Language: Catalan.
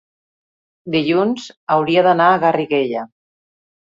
dilluns hauria d'anar a Garriguella.